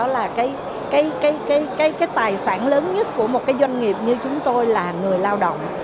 đó là cái tài sản lớn nhất của một cái doanh nghiệp như chúng tôi là người lao động